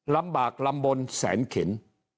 ลำบากลำบลแสนเข็น